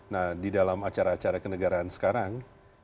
nah di dalam acara acara kenegaraan sekarang